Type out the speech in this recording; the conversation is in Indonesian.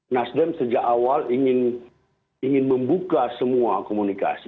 nasdem sejak awal ingin membuka semua komunikasi